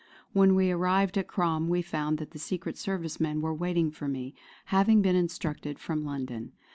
When we arrived at Crom we found that the Secret Service men were waiting for me, having been instructed from London.